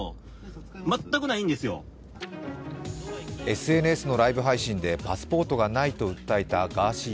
ＳＮＳのライブ配信でパスポートがないと訴えたガーシー